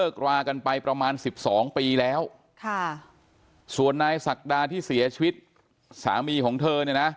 กันไปประมาณ๑๒ปีแล้วส่วนนายศักดาที่เสียชีวิตสามีของเธอ